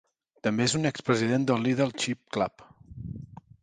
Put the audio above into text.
També és un expresident del Little Ship Club.